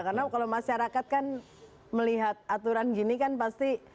karena kalau masyarakat kan melihat aturan gini kan pasti